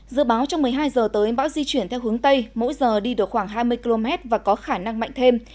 dự báo trong một mươi hai h tới bão di chuyển theo hướng tây mỗi giờ đi được khoảng hai mươi km và có khả năng mạnh thêm